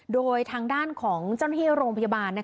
โดยทางด้านของเจ้าหน้าที่โรงพยาบาล